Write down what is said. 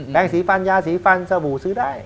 สีฟันยาสีฟันสบู่ซื้อได้